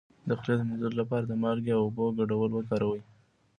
د خولې د مینځلو لپاره د مالګې او اوبو ګډول وکاروئ